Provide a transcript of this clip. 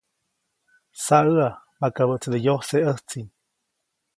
Saʼäʼa, makabäʼtside yojseʼ ʼäjtsi.